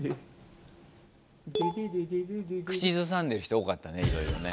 口ずさんでる人多かったねいろいろね。